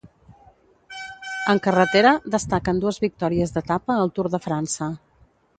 En carretera destaquen dues victòries d'etapa al Tour de França.